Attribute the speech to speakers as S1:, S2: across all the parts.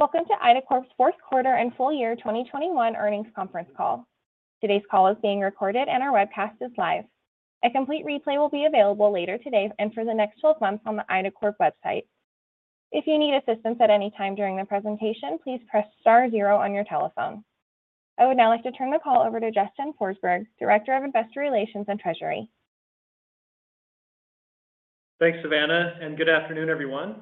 S1: Welcome to IDACORP's Fourth Quarter and Full Year 2021 Earnings Conference Call. Today's call is being recorded and our webcast is live. A complete replay will be available later today and for the next 12 months on the IDACORP website. If you need assistance at any time during the presentation, please press star zero on your telephone. I would now like to turn the call over to Justin Forsberg, Director of Investor Relations and Treasury.
S2: Thanks, Savannah, and good afternoon, everyone.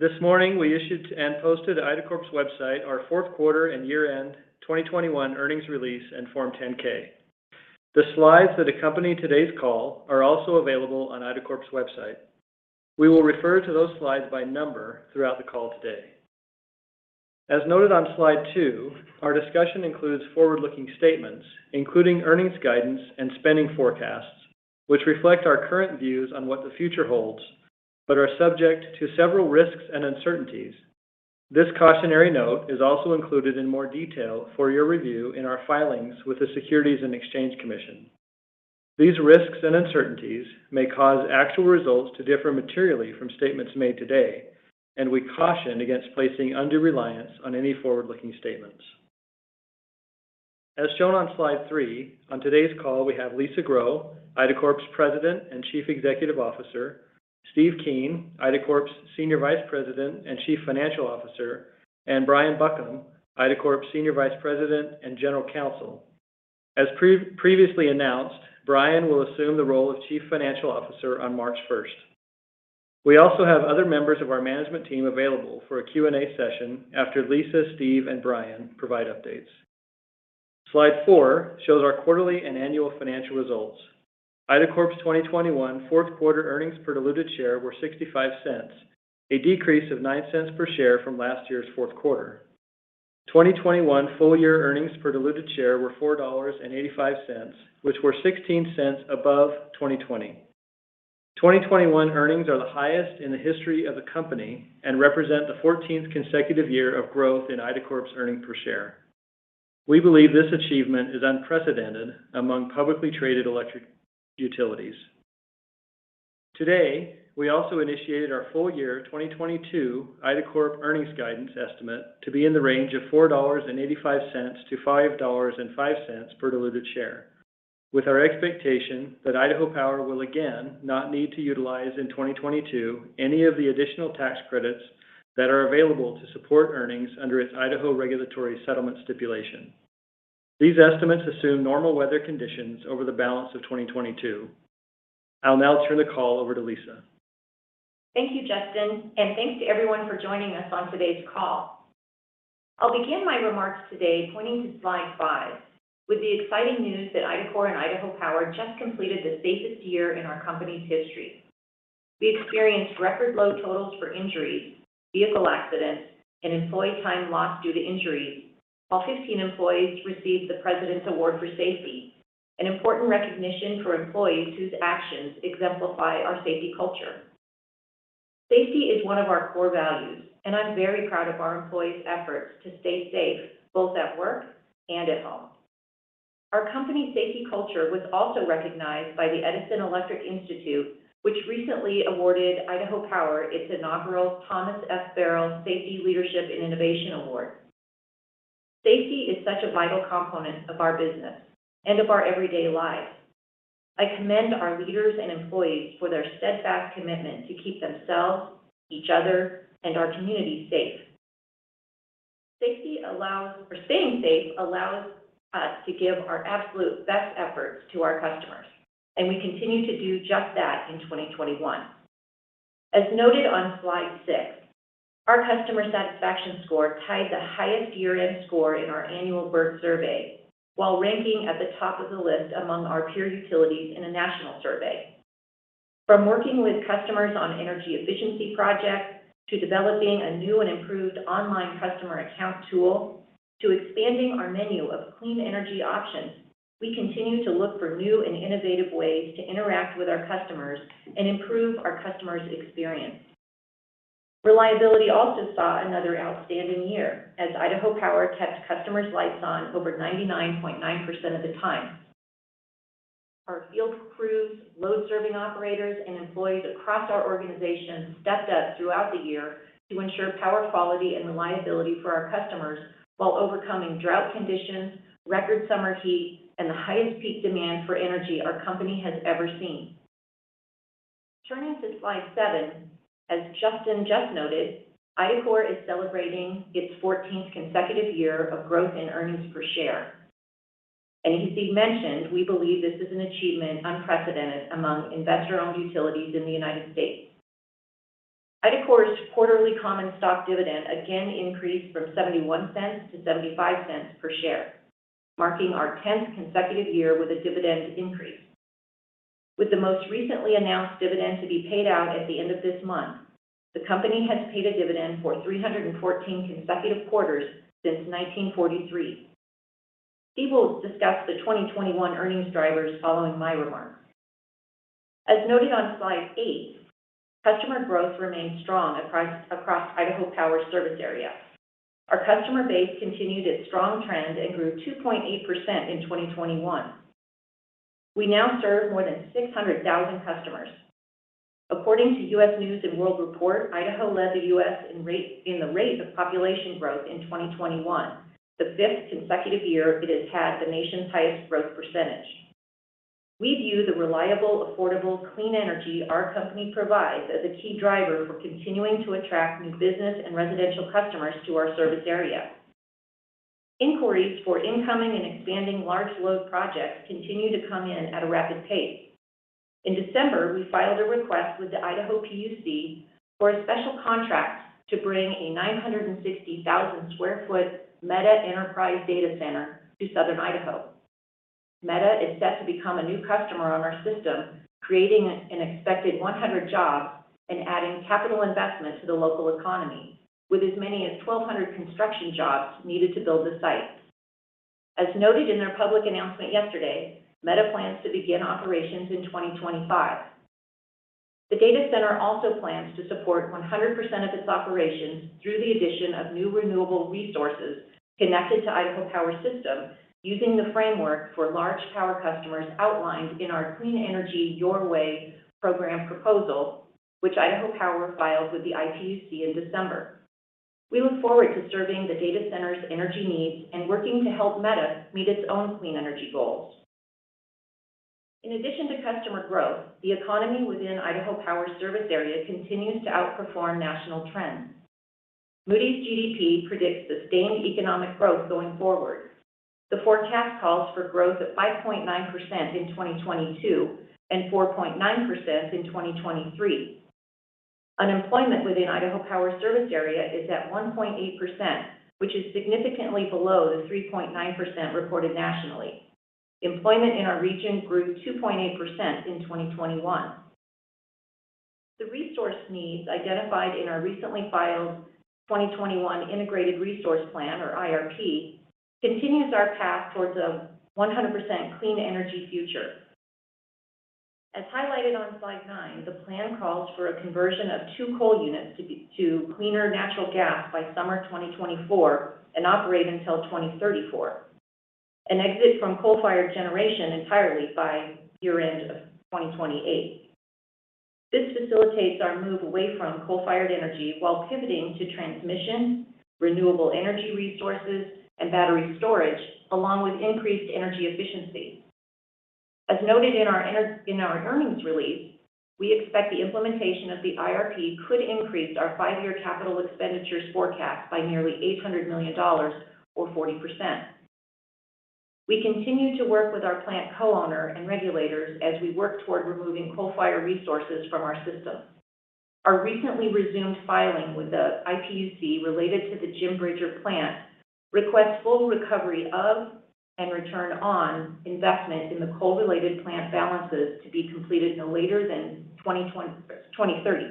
S2: This morning, we issued and posted on IDACORP's website our fourth quarter and year-end 2021 earnings release and Form 10-K. The slides that accompany today's call are also available on IDACORP's website. We will refer to those slides by number throughout the call today. As noted on slide two, our discussion includes forward-looking statements, including earnings guidance and spending forecasts, which reflect our current views on what the future holds, but are subject to several risks and uncertainties. This cautionary note is also included in more detail for your review in our filings with the Securities and Exchange Commission. These risks and uncertainties may cause actual results to differ materially from statements made today, and we caution against placing undue reliance on any forward-looking statements. As shown on slide three, on today's call we have Lisa Grow, IDACORP's President and Chief Executive Officer, Steve Keen, IDACORP's Senior Vice President and Chief Financial Officer, and Brian Buckham, IDACORP's Senior Vice President and General Counsel. As previously announced, Brian will assume the role of Chief Financial Officer on March 1st. We also have other members of our management team available for a Q&A session after Lisa, Steve, and Brian provide updates. Slide four shows our quarterly and annual financial results. IDACORP's 2021 fourth quarter earnings per diluted share were $0.65, a decrease of $0.09 per share from last year's fourth quarter. 2021 full-year earnings per diluted share were $4.85, which were $0.16 above 2020. 2021 earnings are the highest in the history of the company and represent the 14th consecutive year of growth in IDACORP's Earnings Per Share. We believe this achievement is unprecedented among publicly traded electric utilities. Today, we also initiated our full year 2022 IDACORP earnings guidance estimate to be in the range of $4.85-$5.05 per diluted share, with our expectation that Idaho Power will again not need to utilize in 2022 any of the additional tax credits that are available to support earnings under its Idaho regulatory settlement stipulation. These estimates assume normal weather conditions over the balance of 2022. I'll now turn the call over to Lisa.
S3: Thank you, Justin, and thanks to everyone for joining us on today's call. I'll begin my remarks today pointing to slide five with the exciting news that IDACORP and Idaho Power just completed the safest year in our company's history. We experienced record low totals for injuries, vehicle accidents, and employee time lost due to injuries, while 15 employees received the President's Award for Safety, an important recognition for employees whose actions exemplify our safety culture. Safety is one of our core values, and I'm very proud of our employees' efforts to stay safe both at work and at home. Our company's safety culture was also recognized by the Edison Electric Institute, which recently awarded Idaho Power its inaugural Thomas F. Farrell, II Safety Leadership and Innovation Award. Safety is such a vital component of our business and of our everyday lives. I commend our leaders and employees for their steadfast commitment to keep themselves, each other, and our communities safe. Staying safe allows us to give our absolute best efforts to our customers, and we continue to do just that in 2021. As noted on slide six, our customer satisfaction score tied the highest year-end score in our annual J.D. Power survey, while ranking at the top of the list among our peer utilities in a national survey. From working with customers on energy efficiency projects, to developing a new and improved online customer account tool, to expanding our menu of clean energy options, we continue to look for new and innovative ways to interact with our customers and improve our customers' experience. Reliability also saw another outstanding year as Idaho Power kept customers' lights on over 99.9% of the time. Our field crews, load serving operators, and employees across our organization stepped up throughout the year to ensure power quality and reliability for our customers while overcoming drought conditions, record summer heat, and the highest peak demand for energy our company has ever seen. Turning to slide seven, as Justin just noted, IDACORP is celebrating its 14th consecutive year of growth in Earnings Per Share. As he mentioned, we believe this is an achievement unprecedented among investor-owned utilities in the United States. IDACORP's quarterly common stock dividend again increased from $0.71 to $0.75 per share, marking our 10th consecutive year with a dividend increase. With the most recently announced dividend to be paid out at the end of this month, the company has paid a dividend for 314 consecutive quarters since 1943. Steve will discuss the 2021 earnings drivers following my remarks. As noted on slide eight, customer growth remained strong across Idaho Power's service area. Our customer base continued its strong trend and grew 2.8% in 2021. We now serve more than 600,000 customers. According to U.S. News & World Report, Idaho led the U.S. in the rate of population growth in 2021, the fifth consecutive year it has had the nation's highest growth percentage. We view the reliable, affordable, clean energy our company provides as a key driver for continuing to attract new business and residential customers to our service area. Inquiries for incoming and expanding large load projects continue to come in at a rapid pace. In December, we filed a request with the Idaho PUC for a special contract to bring a 960,000 sq ft Meta Enterprise Data Center to southern Idaho. Meta is set to become a new customer on our system, creating an expected 100 jobs and adding capital investment to the local economy, with as many as 1,200 construction jobs needed to build the site. As noted in their public announcement yesterday, Meta plans to begin operations in 2025. The data center also plans to support 100% of its operations through the addition of new renewable resources connected to Idaho Power system using the framework for large power customers outlined in our Clean Energy Your Way program proposal, which Idaho Power filed with the IPUC in December. We look forward to serving the data center's energy needs and working to help Meta meet its own clean energy goals. In addition to customer growth, the economy within Idaho Power service area continues to outperform national trends. Moody's GDP predicts sustained economic growth going forward. The forecast calls for growth at 5.9% in 2022 and 4.9% in 2023. Unemployment within Idaho Power service area is at 1.8%, which is significantly below the 3.9% reported nationally. Employment in our region grew 2.8% in 2021. The resource needs identified in our recently filed 2021 Integrated Resource Plan, or IRP, continues our path towards a 100% clean energy future. As highlighted on slide nine, the plan calls for a conversion of two coal units to cleaner natural gas by summer 2024 and operate until 2034. An exit from coal-fired generation entirely by year-end of 2028. This facilitates our move away from coal-fired energy while pivoting to transmission, renewable energy resources, and battery storage, along with increased energy efficiency. As noted in our earnings release, we expect the implementation of the IRP could increase our five-year capital expenditures forecast by nearly $800 million or 40%. We continue to work with our plant co-owner and regulators as we work toward removing coal-fired resources from our system. Our recently resumed filing with the IPUC related to the Jim Bridger plant requests full recovery of and Return on Investment in the coal-related plant balances to be completed no later than 2020, 2030.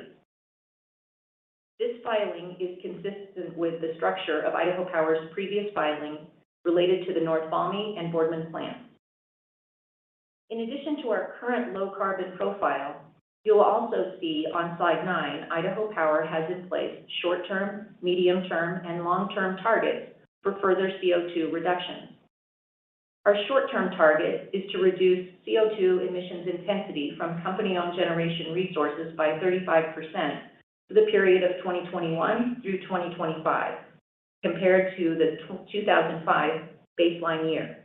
S3: This filing is consistent with the structure of Idaho Power's previous filing related to the North Valmy and Boardman plant. In addition to our current low carbon profile, you'll also see on slide nine, Idaho Power has in place short-term, medium-term, and long-term targets for further CO₂ reductions. Our short-term target is to reduce CO₂ emissions intensity from company-owned generation resources by 35% for the period of 2021 through 2025 compared to the 2005 baseline year.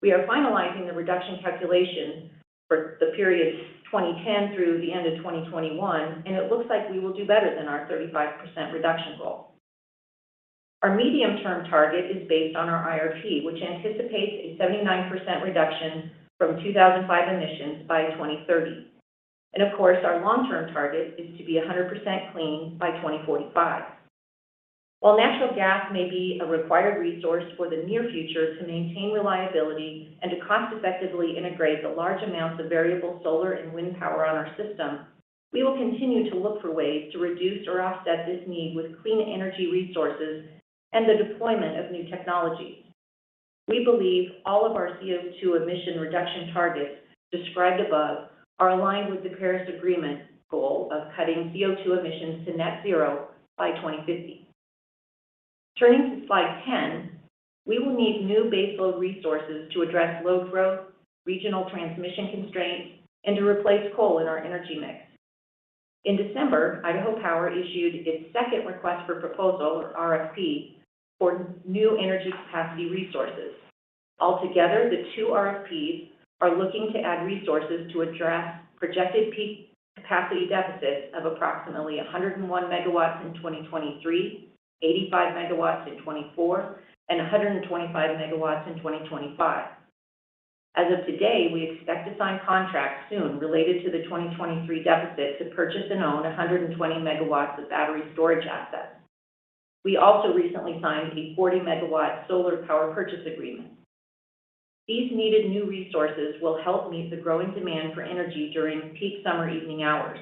S3: We are finalizing the reduction calculation for the period 2010 through the end of 2021, and it looks like we will do better than our 35% reduction goal. Our medium-term target is based on our IRP, which anticipates a 79% reduction from 2005 emissions by 2030. Of course, our long-term target is to be 100% clean by 2045. While natural gas may be a required resource for the near future to maintain reliability and to cost effectively integrate the large amounts of variable solar and wind power on our system, we will continue to look for ways to reduce or offset this need with clean energy resources and the deployment of new technologies. We believe all of our CO₂ emission reduction targets described above are aligned with the Paris Agreement goal of cutting CO₂ emissions to net zero by 2050. Turning to slide 10, we will need new baseload resources to address load growth, regional transmission constraints, and to replace coal in our energy mix. In December, Idaho Power issued its second Request For Proposal, or RFP, for new energy capacity resources. Altogether, the two RFPs are looking to add resources to address projected peak capacity deficits of approximately 101 MW in 2023, 85 MW in 2024, and 125 MW in 2025. As of today, we expect to sign contracts soon related to the 2023 deficit to purchase and own 120 MW of battery storage assets. We also recently signed a 40-MW solar power purchase agreement. These needed new resources will help meet the growing demand for energy during peak summer evening hours.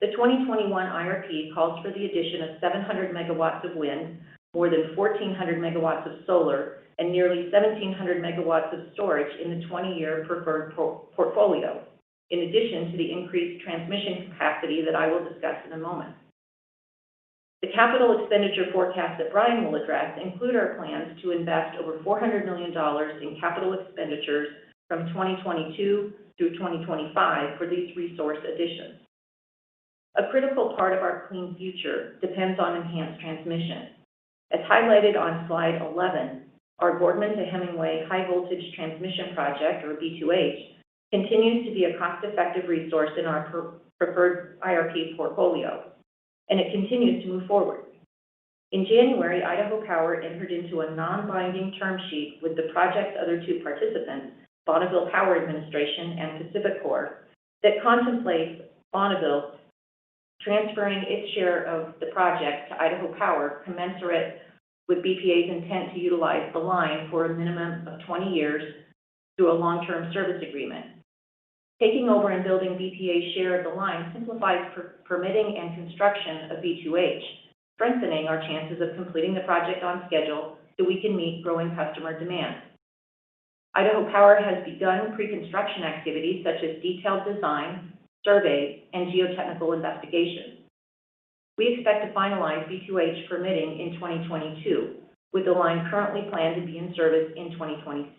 S3: The 2021 IRP calls for the addition of 700 MW of wind, more than 1,400 MW of solar, and nearly 1,700 MW of storage in the 20-year preferred portfolio, in addition to the increased transmission capacity that I will discuss in a moment. The capital expenditure forecast that Brian will address include our plans to invest over $400 million in capital expenditures from 2022 through 2025 for these resource additions. A critical part of our clean future depends on enhanced transmission. As highlighted on slide 11, our Boardman to Hemingway High Voltage Transmission project, or B2H, continues to be a cost-effective resource in our preferred IRP portfolio, and it continues to move forward. In January, Idaho Power entered into a non-binding term sheet with the project's other two participants, Bonneville Power Administration and PacifiCorp, that contemplates Bonneville transferring its share of the project to Idaho Power, commensurate with BPA's intent to utilize the line for a minimum of 20 years through a long-term service agreement. Taking over and building BPA's share of the line simplifies permitting and construction of B2H, strengthening our chances of completing the project on schedule so we can meet growing customer demand. Idaho Power has begun preconstruction activities such as detailed design, surveys, and geotechnical investigations. We expect to finalize B2H permitting in 2022, with the line currently planned to be in service in 2026.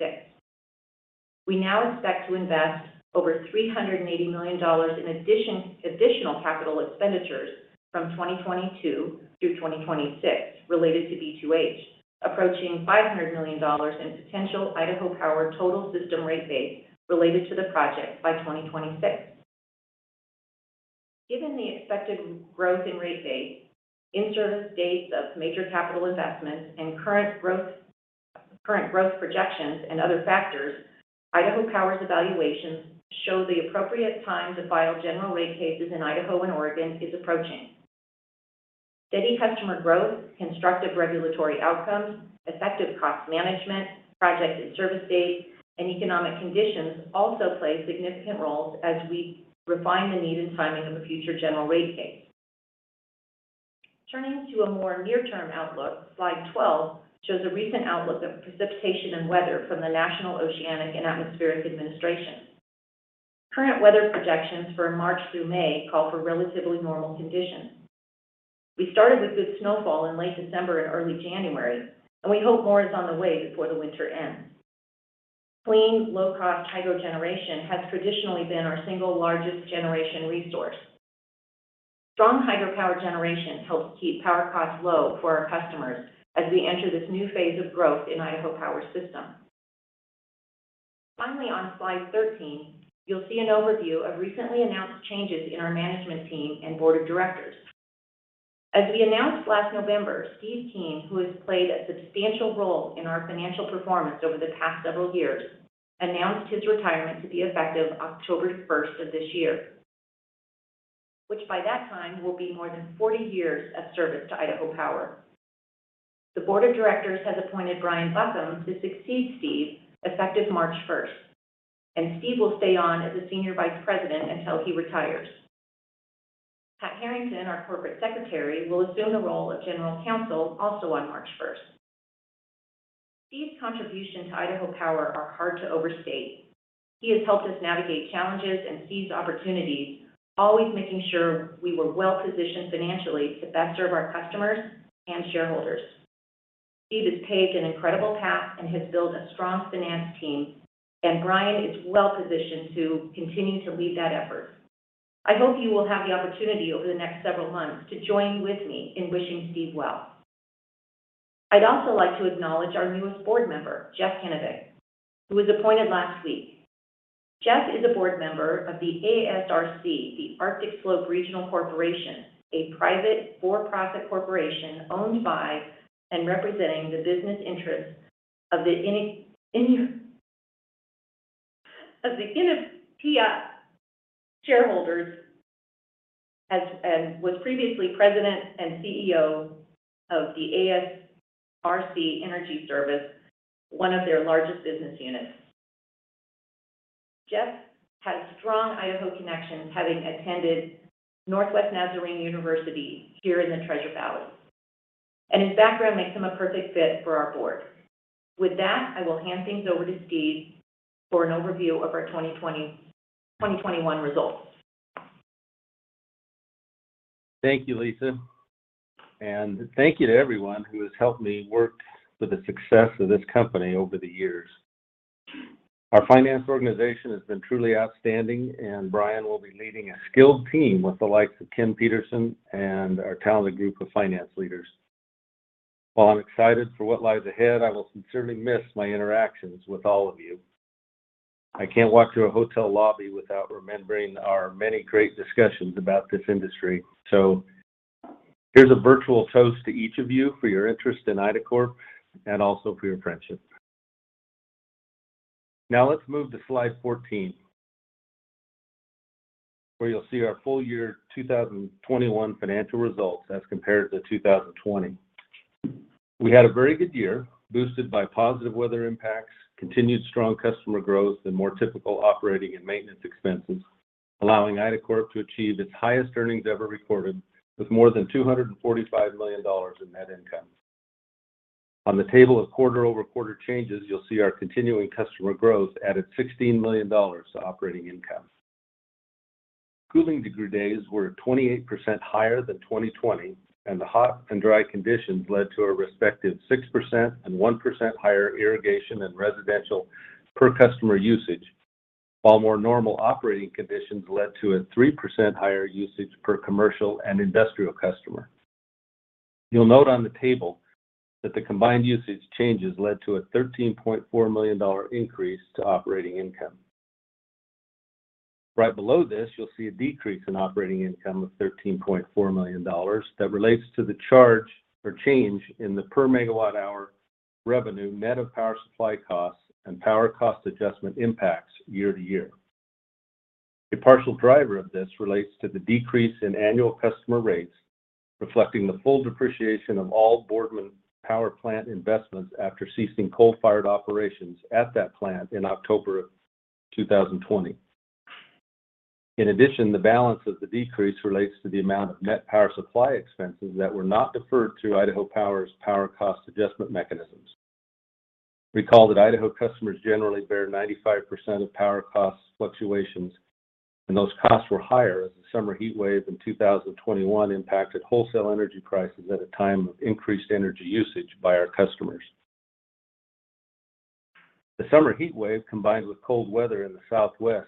S3: We now expect to invest over $380 million in additional capital expenditures from 2022 through 2026 related to B2H, approaching $500 million in potential Idaho Power total system rate base related to the project by 2026. Given the expected growth in rate base, in-service dates of major capital investments, and current growth projections, and other factors, Idaho Power's evaluations show the appropriate time to file general rate cases in Idaho and Oregon is approaching. Steady customer growth, constructive regulatory outcomes, effective cost management, projected service dates, and economic conditions also play significant roles as we refine the need and timing of a future general rate case. Turning to a more near-term outlook, slide 12 shows a recent outlook of precipitation and weather from the National Oceanic and Atmospheric Administration. Current weather projections for March through May call for relatively normal conditions. We started with good snowfall in late December and early January, and we hope more is on the way before the winter ends. Clean, low-cost hydro generation has traditionally been our single largest generation resource. Strong hydropower generation helps keep power costs low for our customers as we enter this new phase of growth in Idaho Power system. Finally, on slide 13, you'll see an overview of recently announced changes in our management team and board of directors. As we announced last November, Steve Keen, who has played a substantial role in our financial performance over the past several years, announced his retirement to be effective October 1 of this year, which by that time will be more than 40 years of service to Idaho Power. The Board of Directors has appointed Brian Buckham to succeed Steve effective March 1st, and Steve will stay on as a Senior Vice President until he retires. Pat Harrington, our Corporate Secretary, will assume the role of General Counsel also on March 1st. Steve's contribution to Idaho Power are hard to overstate. He has helped us navigate challenges and seize opportunities, always making sure we were well-positioned financially to best serve our customers and shareholders. Steve has paved an incredible path and has built a strong finance team, and Brian is well-positioned to continue to lead that effort. I hope you will have the opportunity over the next several months to join with me in wishing Steve well. I'd also like to acknowledge our newest board member, Jeff C. Kinneeveauk, who was appointed last week. Jeff is a board member of the ASRC, the Arctic Slope Regional Corporation, a private for-profit corporation owned by and representing the business interests of the Iñupiaq shareholders, was previously president and CEO of the ASRC Energy Services, one of their largest business units. Jeff has strong Idaho connections, having attended Northwest Nazarene University here in the Treasure Valley, and his background makes him a perfect fit for our board. With that, I will hand things over to Steve for an overview of our 2021 results.
S4: Thank you, Lisa, and thank you to everyone who has helped me work for the success of this company over the years. Our finance organization has been truly outstanding, and Brian will be leading a skilled team with the likes of Tim Peterson and our talented group of finance leaders. While I'm excited for what lies ahead, I will sincerely miss my interactions with all of you. I can't walk through a hotel lobby without remembering our many great discussions about this industry. Here's a virtual toast to each of you for your interest in IDACORP and also for your friendship. Now let's move to slide 14, where you'll see our full year 2021 financial results as compared to 2020. We had a very good year, boosted by positive weather impacts, continued strong customer growth and more typical operating and maintenance expenses, allowing IDACORP to achieve its highest earnings ever recorded with more than $245 million in net income. On the table of quarter-over-quarter changes, you'll see our continuing customer growth added $16 million to operating income. Cooling degree days were 28% higher than 2020, and the hot and dry conditions led to a respective 6% and 1% higher irrigation and residential per customer usage. While more normal operating conditions led to a 3% higher usage per commercial and industrial customer. You'll note on the table that the combined usage changes led to a $13.4 million increase to operating income. Right below this, you'll see a decrease in operating income of $13.4 million that relates to the charge or change in the per MWh revenue net of power supply costs and power cost adjustment impacts year-to-year. A partial driver of this relates to the decrease in annual customer rates, reflecting the full depreciation of all Boardman power plant investments after ceasing coal-fired operations at that plant in October of 2020. In addition, the balance of the decrease relates to the amount of net power supply expenses that were not deferred through Idaho Power's power cost adjustment mechanisms. Recall that Idaho customers generally bear 95% of power cost fluctuations, and those costs were higher as the summer heat wave in 2021 impacted wholesale energy prices at a time of increased energy usage by our customers. The summer heat wave, combined with cold weather in the Southwest,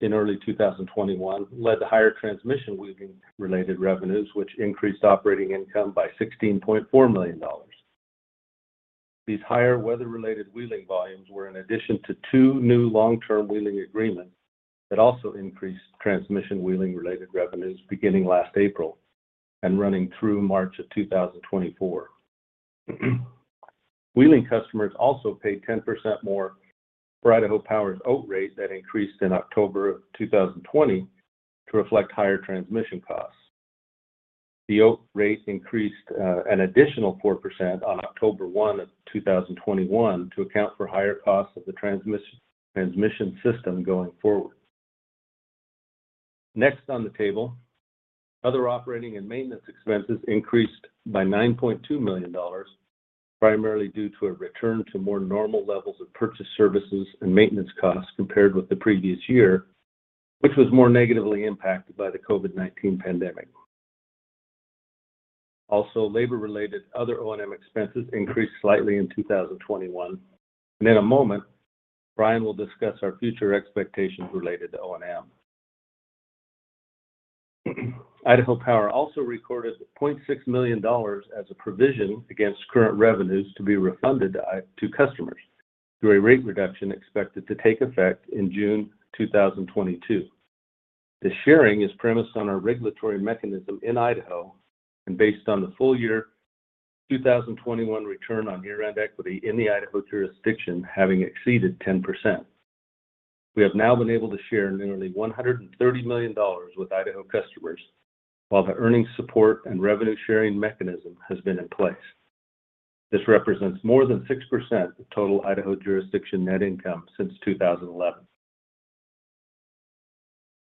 S4: in early 2021, led to higher transmission wheeling-related revenues, which increased operating income by $16.4 million. These higher weather-related wheeling volumes were in addition to two new long-term wheeling agreements that also increased transmission wheeling-related revenues beginning last April and running through March of 2024. Wheeling customers also paid 10% more for Idaho Power's OAT rate that increased in October of 2020 to reflect higher transmission costs. The OAT rate increased an additional 4% on October 1, 2021 to account for higher costs of the transmission system going forward. Next on the table, other operating and maintenance expenses increased by $9.2 million, primarily due to a return to more normal levels of purchased services and maintenance costs compared with the previous year, which was more negatively impacted by the COVID-19 pandemic. Also, labor-related other O&M expenses increased slightly in 2021. In a moment, Brian will discuss our future expectations related to O&M. Idaho Power also recorded $0.6 million as a provision against current revenues to be refunded to customers through a rate reduction expected to take effect in June 2022. The sharing is premised on our regulatory mechanism in Idaho and based on the full year 2021 return on year-end equity in the Idaho jurisdiction having exceeded 10%. We have now been able to share nearly $130 million with Idaho customers while the earnings support and revenue-sharing mechanism has been in place. This represents more than 6% of total Idaho jurisdiction net income since 2011.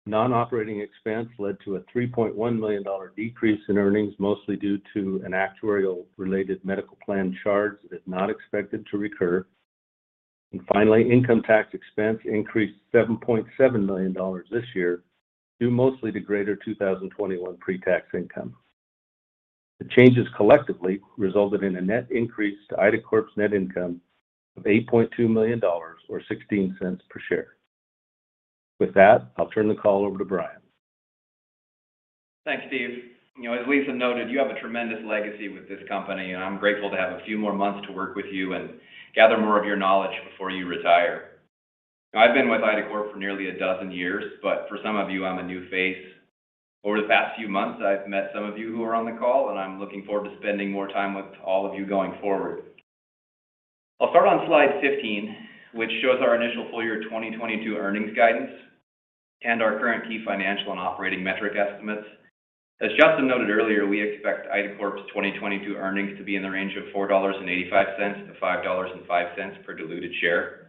S4: Non-operating expense led to a $3.1 million decrease in earnings, mostly due to an actuarial-related medical plan charge that is not expected to recur. Finally, income tax expense increased $7.7 million this year, due mostly to greater 2021 pre-tax income. The changes collectively resulted in a net increase to IDACORP's net income of $8.2 million or $0.16 per share. With that, I'll turn the call over to Brian.
S5: Thanks, Steve. You know, as Lisa noted, you have a tremendous legacy with this company, and I'm grateful to have a few more months to work with you and gather more of your knowledge before you retire. I've been with IDACORP for nearly a dozen years, but for some of you, I'm a new face. Over the past few months, I've met some of you who are on the call, and I'm looking forward to spending more time with all of you going forward. I'll start on slide 15, which shows our initial full year 2022 earnings guidance and our current key financial and operating metric estimates. As Justin noted earlier, we expect IDACORP's 2022 earnings to be in the range of $4.85-$5.05 per diluted share.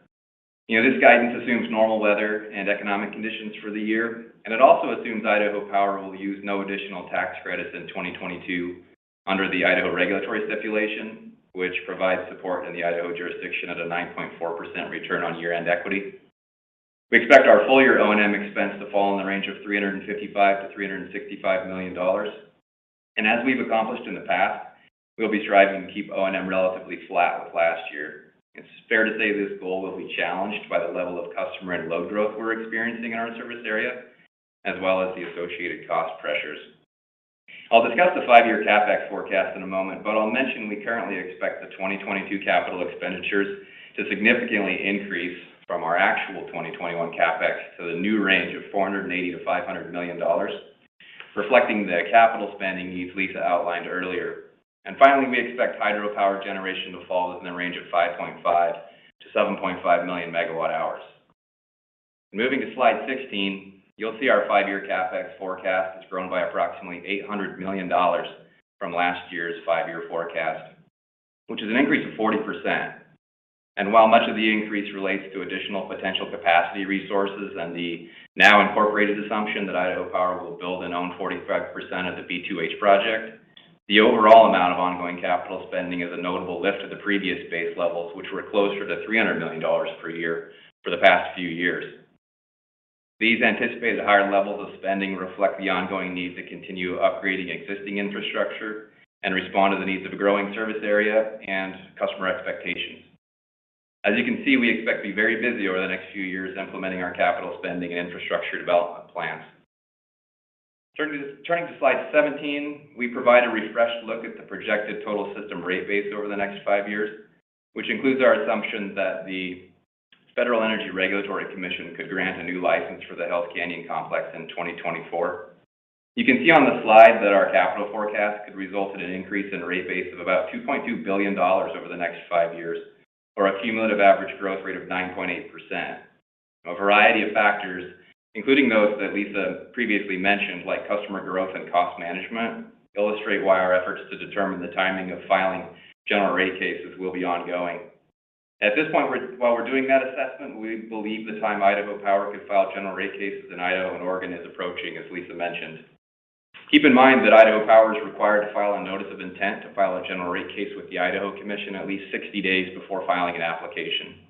S5: You know, this guidance assumes normal weather and economic conditions for the year, and it also assumes Idaho Power will use no additional tax credits in 2022 under the Idaho regulatory stipulation, which provides support in the Idaho jurisdiction at a 9.4% return on year-end equity. We expect our full-year O&M expense to fall in the range of $355 million-$365 million. As we've accomplished in the past, we'll be striving to keep O&M relatively flat with last year. It's fair to say this goal will be challenged by the level of customer and load growth we're experiencing in our service area, as well as the associated cost pressures. I'll discuss the five-year CapEx forecast in a moment, but I'll mention we currently expect the 2022 capital expenditures to significantly increase from our actual 2021 CapEx to the new range of $480 million-$500 million, reflecting the capital spending needs Lisa outlined earlier. Finally, we expect hydropower generation to fall within the range of 5.5 million-7.5 million MWh. Moving to slide 16, you'll see our five-year CapEx forecast has grown by approximately $800 million from last year's five-year forecast, which is an increase of 40%. While much of the increase relates to additional potential capacity resources and the now incorporated assumption that Idaho Power will build and own 45% of the B2H project, the overall amount of ongoing capital spending is a notable lift to the previous base levels, which were closer to $300 million per year for the past few years. These anticipated higher levels of spending reflect the ongoing need to continue upgrading existing infrastructure and respond to the needs of a growing service area and customer expectations. As you can see, we expect to be very busy over the next few years implementing our capital spending and infrastructure development plans. Turning to slide 17, we provide a refreshed look at the projected total system rate base over the next five years, which includes our assumption that the Federal Energy Regulatory Commission could grant a new license for the Hells Canyon Complex in 2024. You can see on the slide that our capital forecast could result in an increase in rate base of about $2.2 billion over the next five years or a cumulative average growth rate of 9.8%. A variety of factors, including those that Lisa previously mentioned, like customer growth and cost management, illustrate why our efforts to determine the timing of filing general rate cases will be ongoing. At this point, while we're doing that assessment, we believe the time Idaho Power could file general rate cases in Idaho and Oregon is approaching, as Lisa mentioned. Keep in mind that Idaho Power is required to file a notice of intent to file a general rate case with the Idaho Commission at least 60 days before filing an application.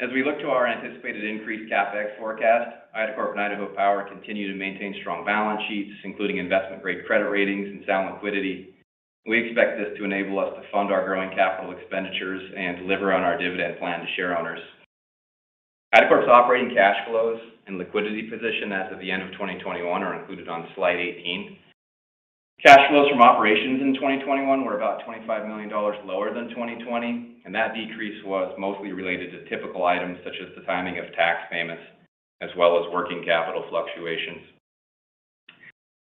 S5: As we look to our anticipated increased CapEx forecast, IDACORP and Idaho Power continue to maintain strong balance sheets, including investment-grade credit ratings and sound liquidity. We expect this to enable us to fund our growing capital expenditures and deliver on our dividend plan to share owners. IDACORP's operating cash flows and liquidity position as of the end of 2021 are included on slide 18. Cash flows from operations in 2021 were about $25 million lower than 2020, and that decrease was mostly related to typical items such as the timing of tax payments, as well as working capital fluctuations.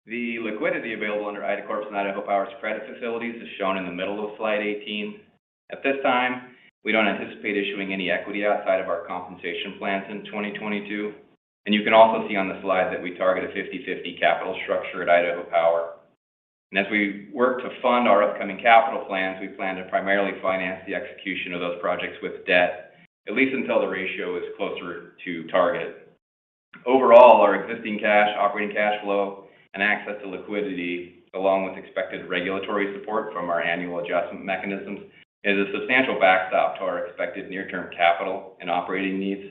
S5: The liquidity available under IDACORP's and Idaho Power's credit facilities is shown in the middle of slide 18. At this time, we don't anticipate issuing any equity outside of our compensation plans in 2022, and you can also see on the slide that we target a 50/50 capital structure at Idaho Power. As we work to fund our upcoming capital plans, we plan to primarily finance the execution of those projects with debt, at least until the ratio is closer to target. Overall, our existing cash, operating cash flow, and access to liquidity, along with expected regulatory support from our annual adjustment mechanisms, is a substantial backstop to our expected near-term capital and operating needs.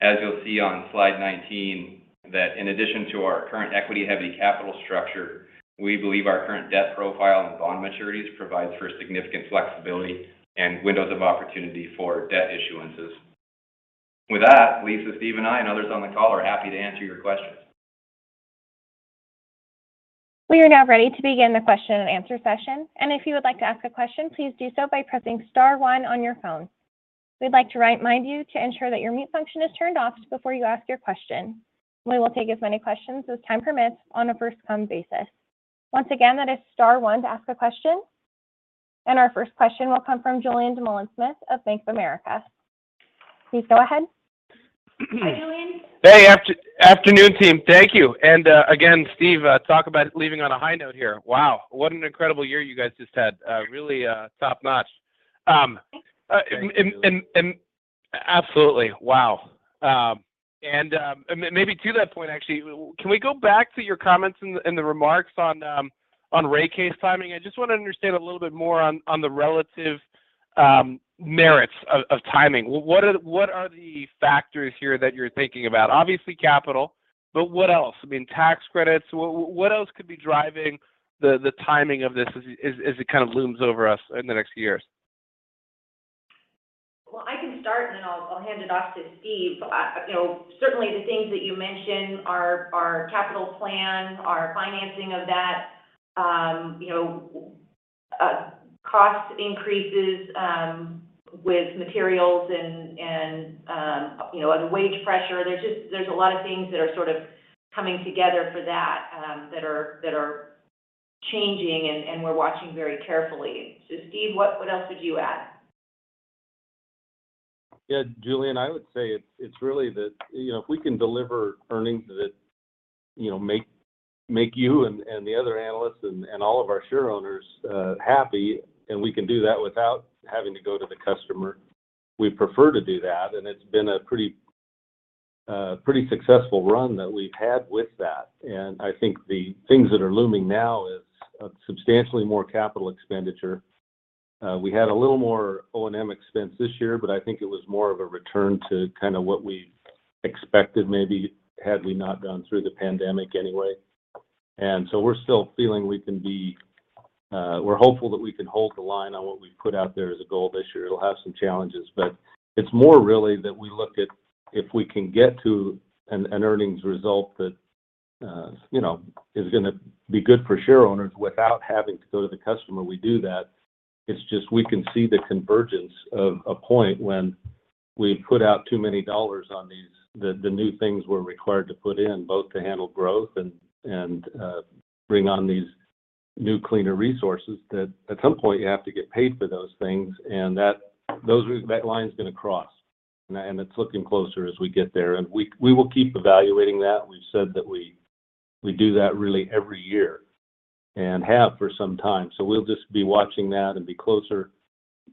S5: As you'll see on slide 19 that in addition to our current equity-heavy capital structure, we believe our current debt profile and bond maturities provides for significant flexibility and windows of opportunity for debt issuances. With that, Lisa, Steve, and I and others on the call are happy to answer your questions.
S1: We are now ready to begin the question-and-answer session, and if you would like to ask a question, please do so by pressing star one on your phone. We'd like to remind you to ensure that your mute function is turned off before you ask your question. We will take as many questions as time permits on a first-come basis. Once again, that is star one to ask a question. Our first question will come from Julien Dumoulin-Smith of Bank of America. Please go ahead.
S3: Hi, Julien.
S6: Hey, afternoon, team. Thank you. Again, Steve, talk about leaving on a high note here. Wow, what an incredible year you guys just had. Really, top-notch. Absolutely. Wow. Maybe to that point, actually, can we go back to your comments in the remarks on rate case timing? I just want to understand a little bit more on the relative merits of timing. What are the factors here that you're thinking about? Obviously capital, but what else? I mean, tax credits. What else could be driving the timing of this as it kind of looms over us in the next years?
S3: Well, I can start, and then I'll hand it off to Steve. You know, certainly the things that you mentioned, our capital plan, our financing of that, you know, cost increases with materials and you know, other wage pressure. There's a lot of things that are sort of coming together for that are changing and we're watching very carefully. Steve, what else would you add?
S4: Yeah, Julien, I would say it's really that, you know, if we can deliver earnings that, you know, make you and the other analysts and all of our share owners happy, and we can do that without having to go to the customer, we prefer to do that. It's been a pretty successful run that we've had with that. I think the things that are looming now is substantially more capital expenditure. We had a little more O&M expense this year, but I think it was more of a return to kind of what we expected, maybe had we not gone through the pandemic anyway. We're still feeling we can be, we're hopeful that we can hold the line on what we put out there as a goal this year. It'll have some challenges, but it's more really that we look at if we can get to an earnings result that, you know, is gonna be good for share owners without having to go to the customer, we do that. It's just we can see the convergence of a point when we put out too many dollars on these, the new things we're required to put in, both to handle growth and bring on these new cleaner resources that at some point you have to get paid for those things. That line's gonna cross, and it's looking closer as we get there. We will keep evaluating that. We've said that we do that really every year and have for some time. We'll just be watching that and be closer.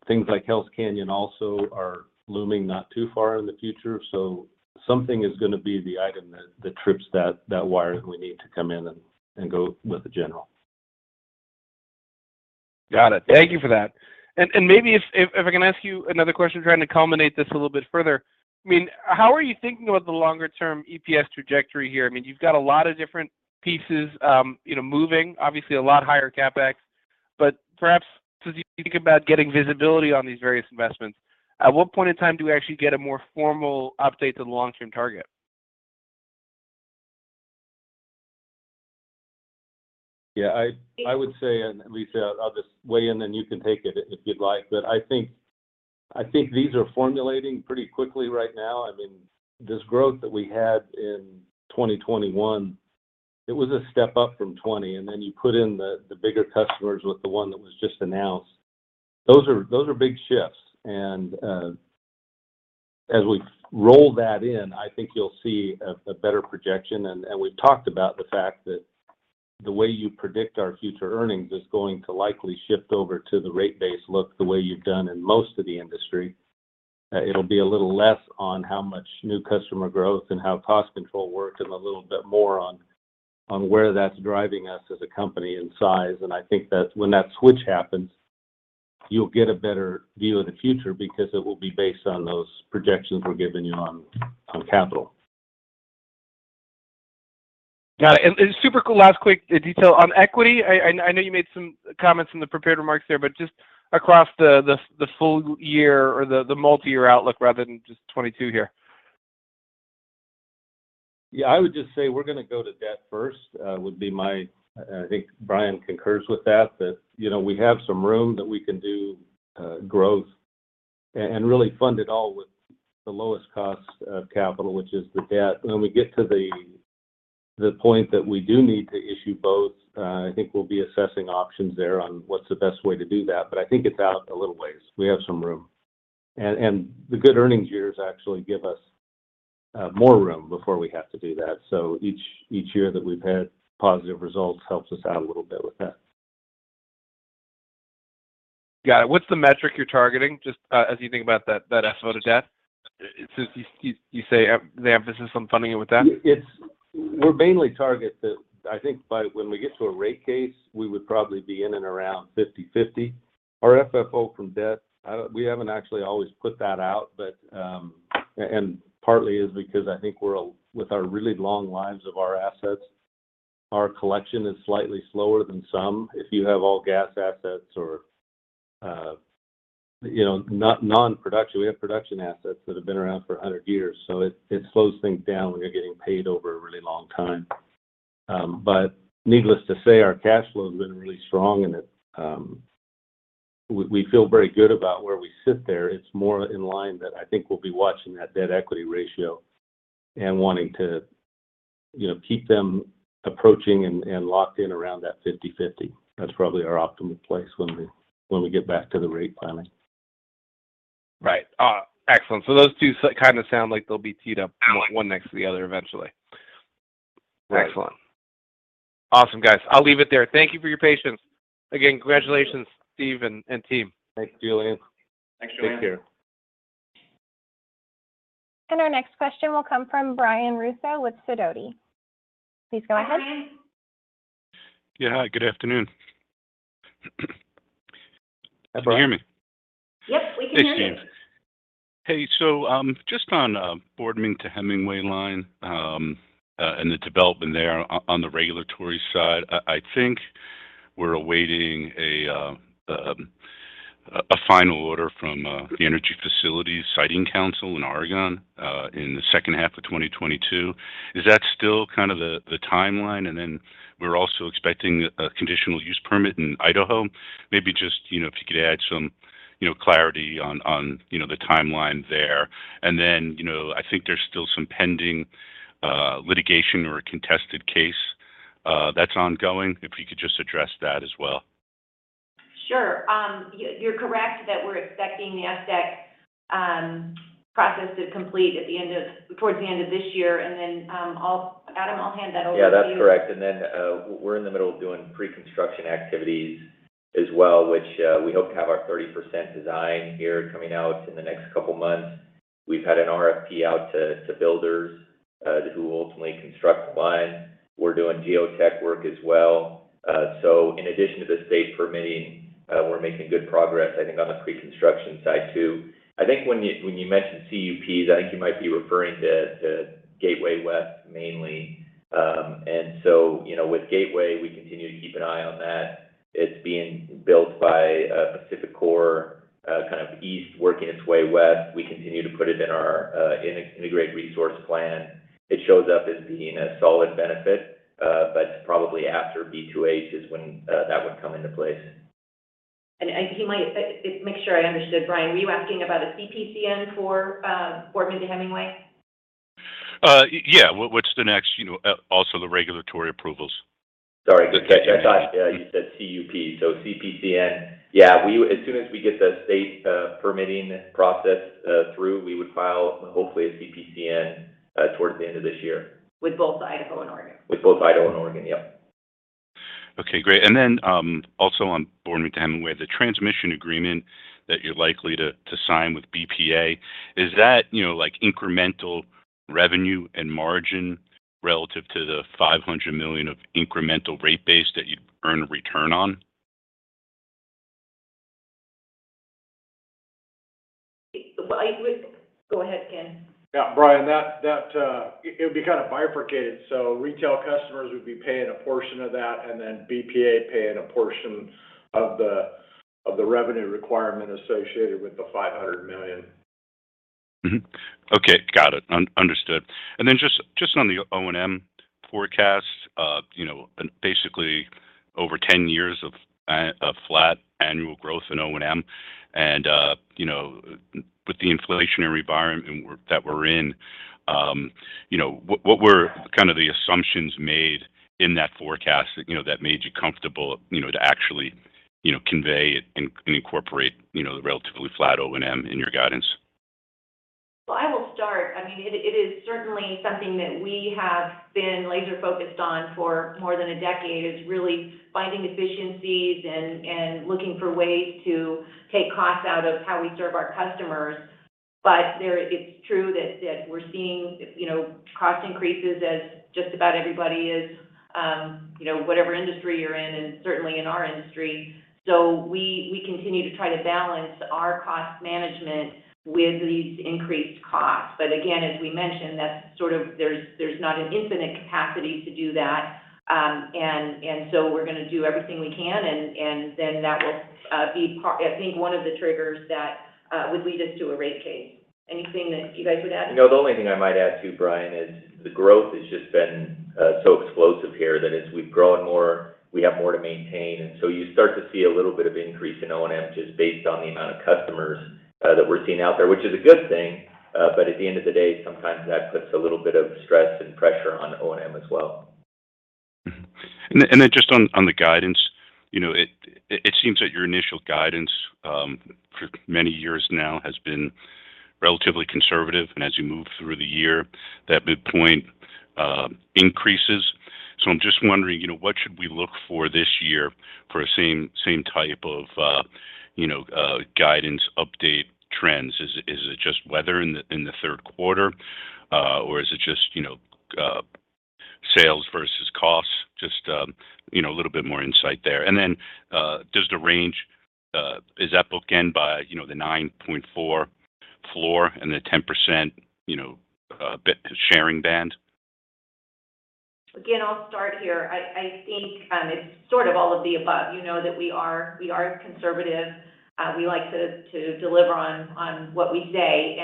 S4: Things like Hells Canyon also are looming not too far in the future. Something is gonna be the item that trips that wire that we need to come in and go with the general.
S6: Got it. Thank you for that. Maybe if I can ask you another question trying to culminate this a little bit further. I mean, how are you thinking about the longer term EPS `trajectory here? I mean, you've got a lot of different pieces, you know, moving. Obviously a lot higher CapEx. Perhaps as you think about getting visibility on these various investments, at what point in time do we actually get a more formal update to the long-term target?
S4: Yeah. I would say, Lisa, I'll just weigh in, then you can take it if you'd like. I think these are formulating pretty quickly right now. I mean, this growth that we had in 2021, it was a step up from 2020, and then you put in the bigger customers with the one that was just announced. Those are big shifts. As we roll that in, I think you'll see a better projection. We've talked about the fact that the way you predict our future earnings is going to likely shift over to the rate base look the way you've done in most of the industry. It'll be a little less on how much new customer growth and how cost control worked and a little bit more on where that's driving us as a company in size. I think that when that switch happens, you'll get a better view of the future because it will be based on those projections we're giving you on capital.
S6: Got it. Super cool. Last quick detail. On equity, I know you made some comments in the prepared remarks there, but just across the full year or the multi-year outlook rather than just 2022 here.
S4: Yeah. I would just say we're gonna go to debt first. I think Brian concurs with that, you know, we have some room that we can do growth and really fund it all with the lowest cost of capital, which is the debt. When we get to the point that we do need to issue both, I think we'll be assessing options there on what's the best way to do that. I think it's out a little ways. We have some room. The good earnings years actually give us more room before we have to do that. Each year that we've had positive results helps us out a little bit with that.
S6: Got it. What's the metric you're targeting just as you think about that FFO-to-debt since you say the emphasis on funding it with that?
S4: We're mainly targeting that I think by when we get to a rate case, we would probably be in and around 50/50. Our FFO from debt. We haven't actually always put that out. Partly is because I think we're a. With our really long lives of our assets, our collection is slightly slower than some. If you have all gas assets or, you know, non-production. We have production assets that have been around for 100 years, so it slows things down when you're getting paid over a really long time. Needless to say, our cash flow has been really strong, and it. We feel very good about where we sit there. It's more in line that I think we'll be watching that debt equity ratio and wanting to, you know, keep them approaching and locked in around that 50/50. That's probably our optimum place when we get back to the rate planning.
S6: Right. Excellent. Those two kind of sound like they'll be teed up one next to the other eventually.
S4: Right.
S6: Excellent. Awesome, guys. I'll leave it there. Thank you for your patience. Again, congratulations Steve and team.
S4: Thanks, Julien.
S7: Thanks, Julien.
S4: Take care.
S1: Our next question will come from Brian Russo with Sidoti. Please go ahead.
S3: Hi, Brian.
S7: Yeah. Hi, good afternoon.
S4: Hi, Brian.
S3: Can you hear me? Yep, we can hear you.
S7: Hey. Just on Boardman to Hemingway line and the development there on the regulatory side. I think we're awaiting a final order from the Energy Facility Siting Council in Oregon in the second half of 2022. Is that still kind of the timeline? We're also expecting a conditional use permit in Idaho. Maybe just you know if you could add some you know clarity on the timeline there. You know I think there's still some pending litigation or a contested case that's ongoing. If you could just address that as well.
S3: Sure. You're correct that we're expecting the EFSC process to complete towards the end of this year. Adam, I'll hand that over to you.
S8: Yeah, that's correct. We're in the middle of doing pre-construction activities as well, which, we hope to have our 30% design here coming out in the next couple months. We've had an RFP out to builders, who will ultimately construct the line. We're doing geotech work as well. In addition to the state permitting, we're making good progress I think on the pre-construction side too. I think when you mentioned CUPs, I think you might be referring to Gateway West mainly. You know, with Gateway, we continue to keep an eye on that. It's being built by PacifiCorp, kind of east working its way west. We continue to put it in our Integrated Resource Plan. It shows up as being a solid benefit, but probably after B2H is when that would come into place.
S3: If you might, just make sure I understood, Brian. Were you asking about a CPCN for Boardman to Hemingway?
S7: Yeah. What's the next, you know, also the regulatory approvals to catch you up.
S8: Sorry. I thought you said CUP. CPCN. Yeah. As soon as we get the state permitting process through, we would file hopefully a CPCN towards the end of this year.
S3: With both Idaho and Oregon.
S8: With both Idaho and Oregon. Yep.
S7: Okay, great. Also, on Boardman to Hemingway, the transmission agreement that you're likely to sign with BPA, is that, you know, like incremental revenue and margin relative to the $500 million of incremental rate base that you'd earn a return on?
S3: Go ahead, Ken.
S9: Yeah. Brian, that it would be kind of bifurcated. Retail customers would be paying a portion of that, and then BPA paying a portion of the revenue requirement associated with the $500 million.
S7: Mm-hmm. Okay. Got it. Understood. Then just on the O&M forecast, you know, and basically over 10 years of flat annual growth in O&M and, you know, with the inflationary environment we're in, you know, what were kind of the assumptions made in that forecast, you know, that made you comfortable, you know, to actually, you know, convey it and incorporate, you know, the relatively flat O&M in your guidance?
S3: Well, I will start. I mean, it is certainly something that we have been laser focused on for more than a decade, is really finding efficiencies and looking for ways to take costs out of how we serve our customers. It's true that we're seeing, you know, cost increases as just about everybody is, you know, whatever industry you're in and certainly in our industry. We continue to try to balance our cost management with these increased costs. Again, as we mentioned, that's sort of there's not an infinite capacity to do that, and so we're gonna do everything we can and then that will be part, I think, one of the triggers that would lead us to a rate case. Anything that you guys would add?
S8: No, the only thing I might add too, Brian, is the growth has just been so explosive here that as we've grown more, we have more to maintain. You start to see a little bit of increase in O&M just based on the amount of customers that we're seeing out there, which is a good thing. At the end of the day, sometimes that puts a little bit of stress and pressure on O&M as well.
S7: Mm-hmm. Just on the guidance, you know, it seems that your initial guidance for many years now has been relatively conservative. As you move through the year, that midpoint increases. I'm just wondering, you know, what should we look for this year for the same type of guidance update trends. Is it just weather in the third quarter? Or is it just, you know, sales versus costs? Just, you know, a little bit more insight there. Is the range bookended by, you know, the 9.4 floor and the 10% sharing band?
S3: Again, I'll start here. I think it's sort of all of the above. You know that we are conservative. We like to deliver on what we say.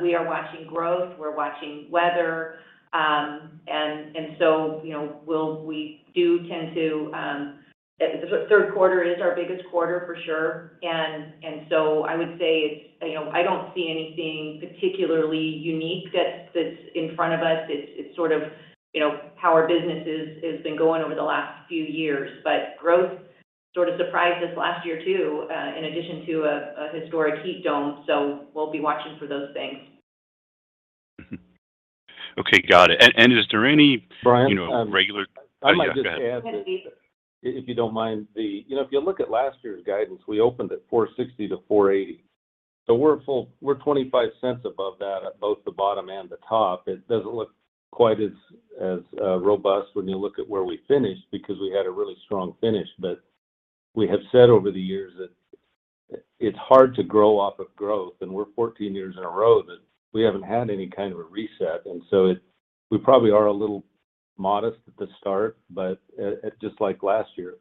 S3: We are watching growth, we're watching weather. You know, we do tend to. The third quarter is our biggest quarter for sure. I would say it's, you know, I don't see anything particularly unique that's in front of us. It's sort of, you know, how our business has been going over the last few years. Growth sort of surprised us last year too, in addition to a historic heat dome. We'll be watching for those things.
S7: Okay. Got it. Is there any-
S4: Brian,
S7: You know, regular.
S4: I might just add that.
S3: Steve.
S4: If you don't mind. You know, if you look at last year's guidance, we opened at $4.60-$4.80, so we're full, we're $0.25 above that at both the bottom and the top. It doesn't look quite as robust when you look at where we finished because we had a really strong finish. We have said over the years that it's hard to grow off of growth, and we're 14 years in a row that we haven't had any kind of a reset. We probably are a little modest at the start, but just like last year,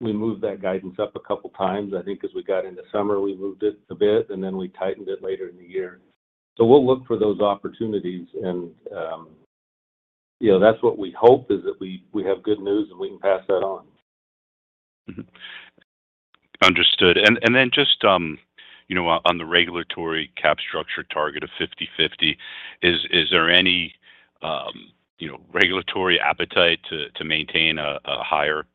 S4: we moved that guidance up a couple times. I think as we got into summer, we moved it a bit, and then we tightened it later in the year. We'll look for those opportunities and, you know, that's what we hope is that we have good news, and we can pass that on.
S7: Understood. Then just you know on the regulatory capital structure target of 50/50, is there any you know regulatory appetite to maintain a higher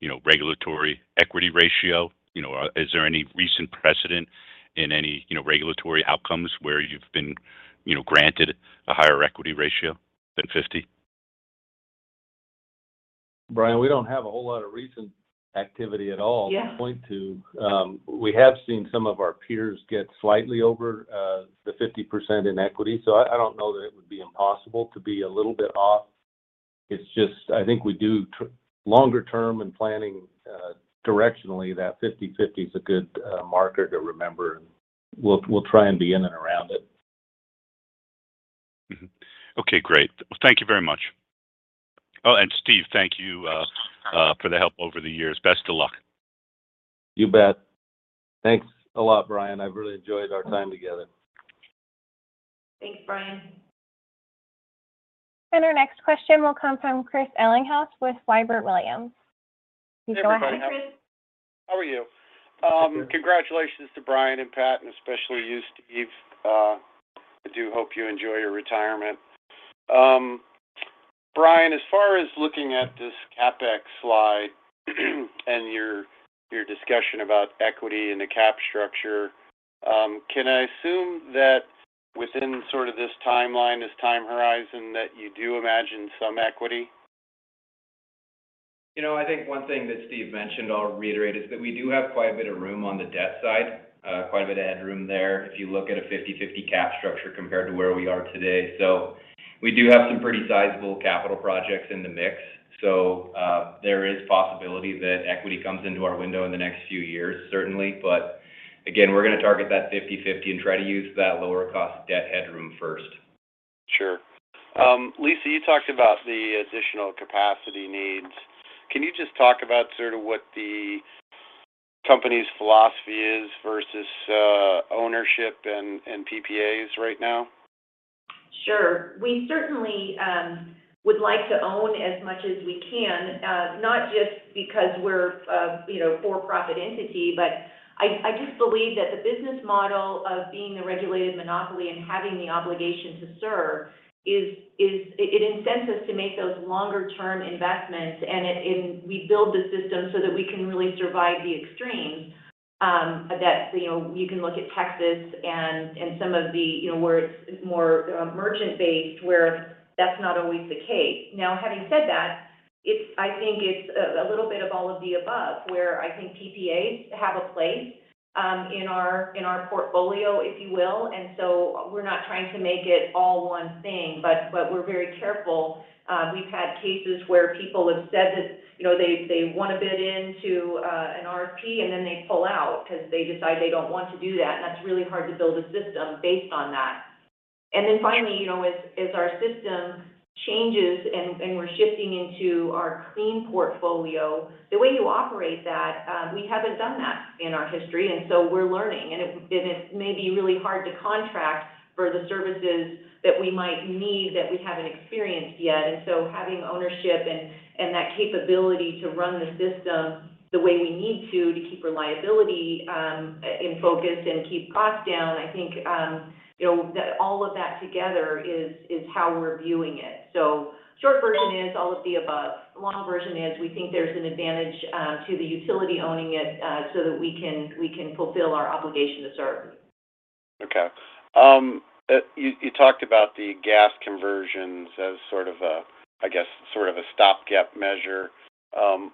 S7: you know regulatory equity ratio? You know, is there any recent precedent in any you know regulatory outcomes where you've been you know granted a higher equity ratio than 50?
S4: Brian, we don't have a whole lot of recent activity at all.
S3: Yeah
S4: to point to. We have seen some of our peers get slightly over the 50% in equity, so I don't know that it would be impossible to be a little bit off. It's just, I think we do longer term in planning, directionally, that 50/50 is a good marker to remember, and we'll try and be in and around it.
S7: Okay, great. Thank you very much. Oh, and Steve, thank you for the help over the years. Best of luck.
S4: You bet. Thanks a lot, Brian. I've really enjoyed our time together.
S3: Thanks, Brian.
S1: Our next question will come from Chris Ellinghaus with Siebert Williams Shank. You can go ahead, Chris.
S10: Hey, Brian. How are you? Congratulations to Brian and Pat, and especially you, Steve. I do hope you enjoy your retirement. Brian, as far as looking at this CapEx slide and your discussion about equity and the cap structure, can I assume that? Within sort of this timeline, this time horizon that you do imagine some equity?
S5: You know, I think one thing that Steve mentioned, I'll reiterate, is that we do have quite a bit of room on the debt side, quite a bit of headroom there if you look at a 50/50 capital structure compared to where we are today. We do have some pretty sizable capital projects in the mix. There is possibility that equity comes into our window in the next few years, certainly. Again, we're gonna target that 50/50 and try to use that lower cost debt headroom first.
S10: Sure. Lisa, you talked about the additional capacity needs. Can you just talk about sort of what the company's philosophy is versus ownership and PPAs right now?
S3: Sure. We certainly would like to own as much as we can, not just because we're a you know for-profit entity, but I just believe that the business model of being the regulated monopoly and having the obligation to serve is. It incentivizes us to make those longer-term investments, and we build the system so that we can really survive the extremes that you know you can look at Texas and some of the you know where it's more merchant-based, where that's not always the case. Now, having said that, it's I think it's a little bit of all of the above, where I think PPAs have a place in our portfolio, if you will. We're not trying to make it all one thing, but we're very careful. We've had cases where people have said that, you know, they wanna bid into an RFP, and then they pull out 'cause they decide they don't want to do that, and that's really hard to build a system based on that. Finally, you know, as our system changes and we're shifting into our clean portfolio, the way you operate that, we haven't done that in our history and so we're learning. It's maybe really hard to contract for the services that we might need that we haven't experienced yet. Having ownership and that capability to run the system the way we need to keep reliability in focus and keep costs down, I think, you know, that all of that together is how we're viewing it. Short version is all of the above. Long version is we think there's an advantage to the utility owning it so that we can fulfill our obligation to serve.
S10: Okay. You talked about the gas conversions as sort of a, I guess, sort of a stopgap measure.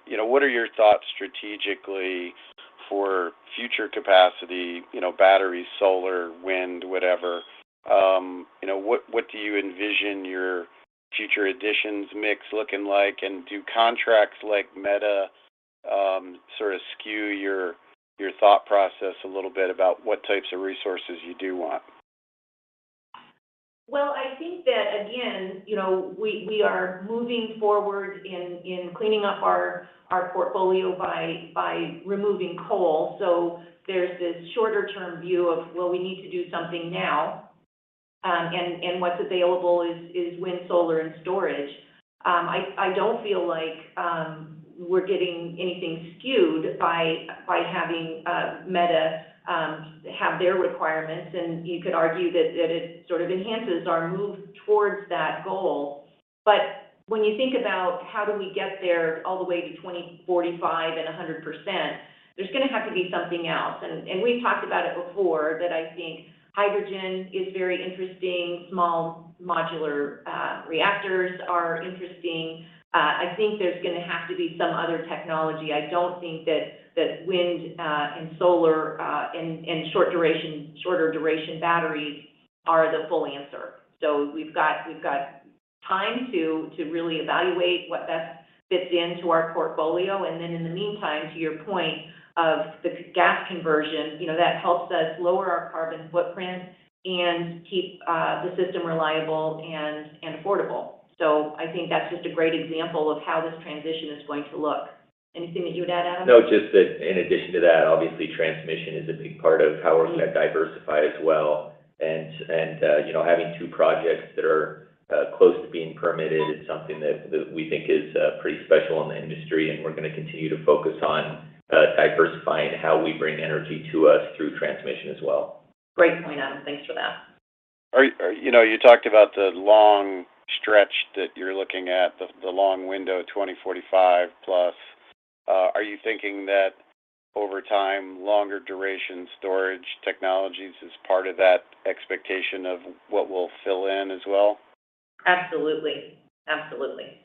S10: You know, what are your thoughts strategically for future capacity, you know, batteries, solar, wind, whatever? You know, what do you envision your future additions mix looking like? And do contracts like Meta sort of skew your thought process a little bit about what types of resources you do want?
S3: Well, I think that, again, you know, we are moving forward in cleaning up our portfolio by removing coal, so there's this shorter term view of, well, we need to do something now, and what's available is wind, solar, and storage. I don't feel like we're getting anything skewed by having Meta have their requirements, and you could argue that it sort of enhances our move towards that goal. When you think about how do we get there all the way to 2045 and 100%, there's gonna have to be something else. We've talked about it before, that I think hydrogen is very interesting. Small modular reactors are interesting. I think there's gonna have to be some other technology. I don't think that wind and solar and shorter duration batteries are the full answer. We've got time to really evaluate what best fits into our portfolio. In the meantime, to your point of the gas conversion, you know, that helps us lower our carbon footprint and keep the system reliable and affordable. I think that's just a great example of how this transition is going to look. Anything that you would add, Adam?
S8: No, just that in addition to that, obviously transmission is a big part of how we're gonna diversify as well. You know, having two projects that are close to being permitted is something that we think is pretty special in the industry, and we're gonna continue to focus on diversifying how we bring energy to us through transmission as well.
S3: Great point, Adam. Thanks for that.
S10: You know, you talked about the long stretch that you're looking at, the long window, 2045 plus. Are you thinking that over time, longer duration storage technologies is part of that expectation of what we'll fill in as well?
S3: Absolutely. Absolutely.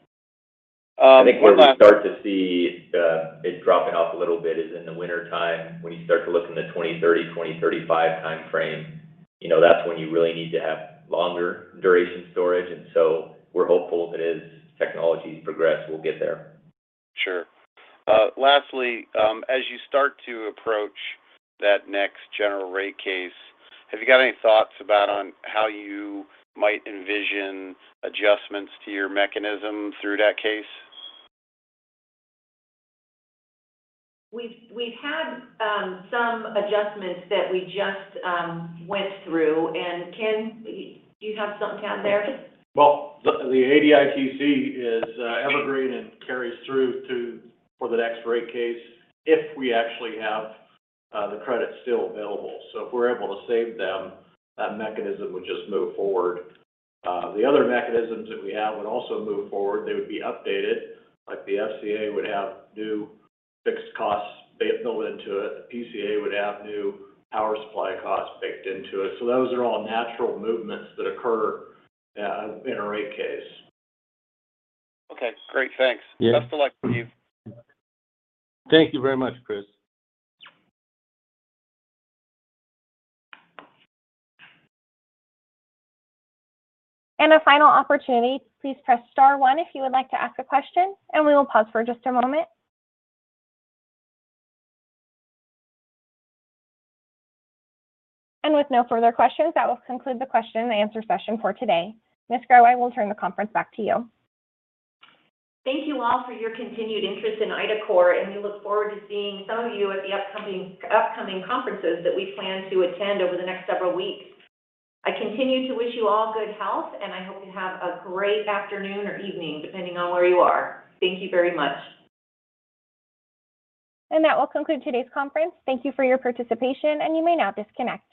S10: Um, and, uh-
S8: I think where we start to see it dropping off a little bit is in the wintertime when you start to look in the 2030, 2035 timeframe. You know, that's when you really need to have longer duration storage. We're hopeful that as technology progress, we'll get there.
S10: Sure. Lastly, as you start to approach that next general rate case, have you got any thoughts about on how you might envision adjustments to your mechanism through that case?
S3: We've had some adjustments that we just went through. Ken, do you have something down there?
S9: Well, the ADITC is evergreen and carries through to for the next rate case if we actually have the credit still available. If we're able to save them, that mechanism would just move forward. The other mechanisms that we have would also move forward. They would be updated, like the FCA would have new fixed costs built into it. The PCA would have new power supply costs baked into it. Those are all natural movements that occur in a rate case.
S10: Okay. Great. Thanks.
S9: Yeah.
S10: Best of luck to you.
S9: Thank you very much, Chris.
S1: A final opportunity, please press star one if you would like to ask a question, and we will pause for just a moment. With no further questions, that will conclude the question-and-answer session for today. Ms. Grow, I will turn the conference back to you.
S3: Thank you all for your continued interest in IDACORP, and we look forward to seeing some of you at the upcoming conferences that we plan to attend over the next several weeks. I continue to wish you all good health, and I hope you have a great afternoon or evening, depending on where you are. Thank you very much.
S1: That will conclude today's conference. Thank you for your participation, and you may now disconnect.